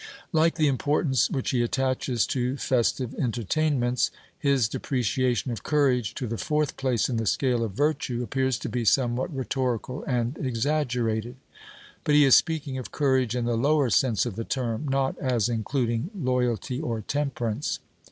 Like the importance which he attaches to festive entertainments, his depreciation of courage to the fourth place in the scale of virtue appears to be somewhat rhetorical and exaggerated. But he is speaking of courage in the lower sense of the term, not as including loyalty or temperance.